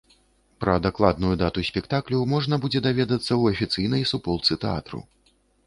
Пра дакладную дату спектаклю можна будзе даведацца ў афіцыйнай суполцы тэатру.